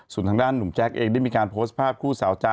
ส่วนทางด้านหนุ่มแจ๊กเองได้มีการโพสต์ภาพคู่สาวจ๊ะ